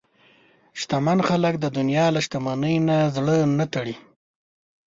شتمن خلک د دنیا له شتمنۍ نه زړه نه تړي.